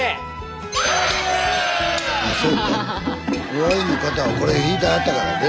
於愛の方はこれ弾いてはったからで。